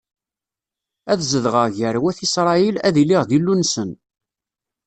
Ad zedɣeɣ gar wat Isṛayil, ad iliɣ d Illunsen.